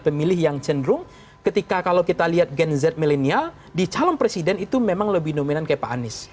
pemilih yang cenderung ketika kalau kita lihat gen z milenial di calon presiden itu memang lebih dominan kayak pak anies